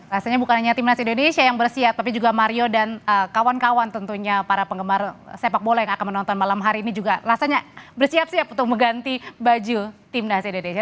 rasanya bukan hanya timnas indonesia yang bersiap tapi juga mario dan kawan kawan tentunya para penggemar sepak bola yang akan menonton malam hari ini juga rasanya bersiap siap untuk mengganti baju timnas indonesia